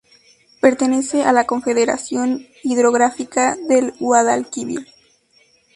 Pertenece a la Confederación Hidrográfica del Guadalquivir.